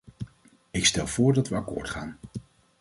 Ik stel voor dat we akkoord gaan.